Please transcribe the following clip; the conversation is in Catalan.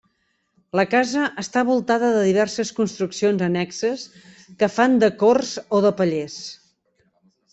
La casa està voltada de diverses construccions annexes que fan de corts o de pallers.